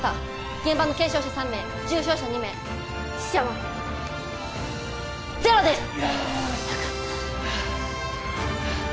現場の軽傷者３名重傷者２名死者はゼロです・よし！